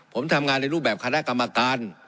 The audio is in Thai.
ผมทำงานในรูปแบบคณะกรรมการ